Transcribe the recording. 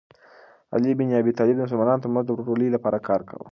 علي بن ابي طالب د مسلمانانو ترمنځ د ورورولۍ لپاره کار کاوه.